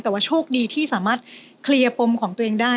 แต่ว่าโชคดีที่สามารถเคลียร์ปมของตัวเองได้